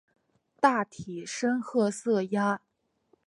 体大深褐色鸭。